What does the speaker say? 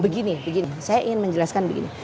begini begini saya ingin menjelaskan begini